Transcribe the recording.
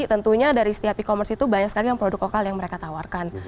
tentunya dari setiap e commerce itu banyak sekali yang produk lokal yang mereka tawarkan